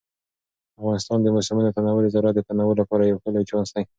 د افغانستان د موسمونو تنوع د زراعت د تنوع لپاره یو لوی چانس دی.